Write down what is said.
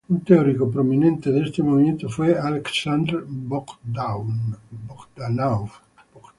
Un teórico prominente de este movimiento fue Aleksandr Bogdánov.